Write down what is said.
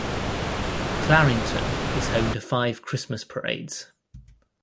Clarington is home to five Christmas parades.